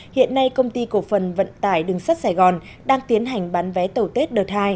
hiện nay công ty cổ phần vận tải đường sắt sài gòn đang tiến hành bán vé tàu tết đợt hai